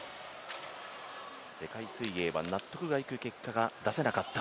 世界水泳は納得がいく結果が出せなかった。